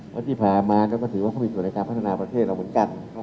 วันที่พามาก็ถือว่าเขามีส่วนในการพัฒนาประเทศเราเหมือนกัน